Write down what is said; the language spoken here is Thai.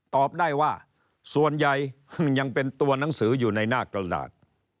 ตอบได้ว่าส่วนใหญ่ยังเป็นตัวหนังสืออยู่ในหน้ากระดาษ